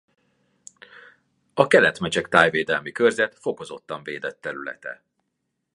A Kelet-Mecsek Tájvédelmi Körzet fokozottan védett területe.